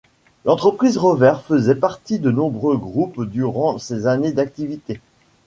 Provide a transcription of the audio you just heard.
L'entreprise Rover faisait partie de nombreux groupes durant ces années d'activités.